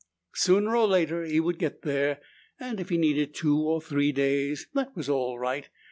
Sooner or later he would get there, and if he needed two or three days, that was all right.